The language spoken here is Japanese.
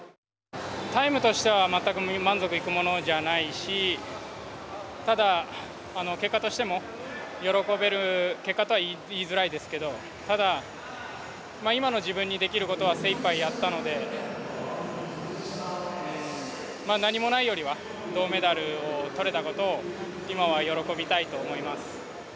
タイムとしては全く満足いくものじゃないしただ結果としても喜べる結果とは言いづらいですけどただ今の自分にできることは精いっぱいやったので何もないよりは銅メダルをとれたことを今は喜びたいと思います。